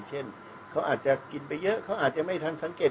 เช่นเขาอาจจะกินไปเยอะเขาอาจจะไม่ทันสังเกต